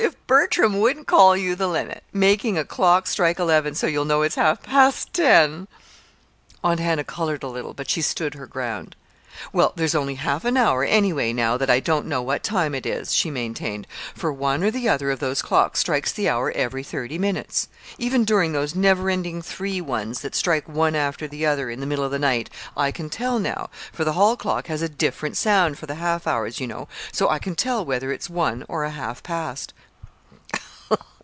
"If Bertram wouldn't call you the limit making a clock strike eleven so you'll know it's half past ten!" Aunt Hannah colored a little, but she stood her ground. "Well, there's only half an hour, anyway, now, that I don't know what time it is," she maintained, "for one or the other of those clocks strikes the hour every thirty minutes. Even during those never ending three ones that strike one after the other in the middle of the night, I can tell now, for the hall clock has a different sound for the half hours, you know, so I can tell whether it's one or a half past."